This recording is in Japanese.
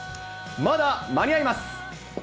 まだ間に合います。